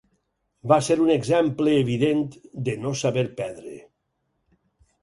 Va ser un exemple evident de no saber perdre.